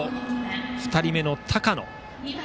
２人目の高野。